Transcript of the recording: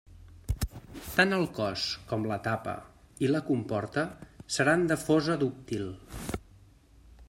Tant el cos com la tapa i la comporta seran de fosa dúctil.